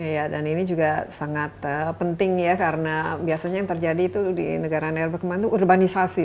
iya dan ini juga sangat penting ya karena biasanya yang terjadi itu di negara negara berkembang itu urbanisasi